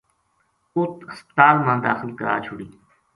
اُت ہسپتال ما داخل کرائی چھُڑی